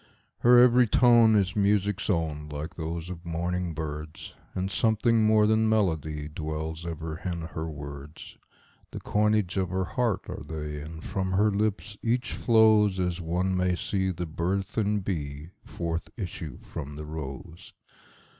Her every tone is music's own, like those of morning birds, And something more than melody dwells ever in her words; The coinage of her heart are they, and from her lips each flowsAs one may see the burthened bee forth issue from the rose.